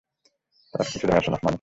তার কিছু যায় আসে না, মানে কি।